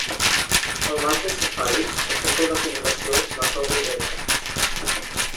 El marge cefàlic presenta una coloració marró groguenca.